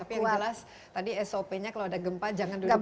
tapi yang jelas tadi sop nya kalau ada gempa jangan duduk